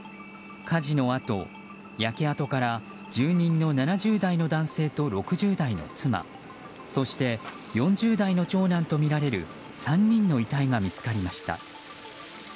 火事のあと、焼け跡から住人の７０代の男性と６０代の妻そして４０代の長男とみられる３人の遺体が見つかりました。